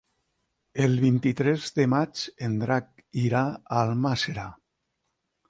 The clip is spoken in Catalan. El vint-i-tres de maig en Drac irà a Almàssera.